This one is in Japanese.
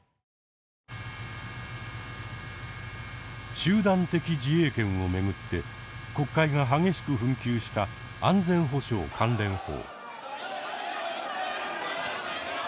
集団的自衛権を巡って国会が激しく紛糾した安全保障関連法。